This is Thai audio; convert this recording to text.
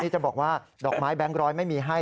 จะบอกว่าดอกไม้แบงค์ร้อยไม่มีให้